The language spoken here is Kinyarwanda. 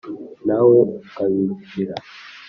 na we ukabicira.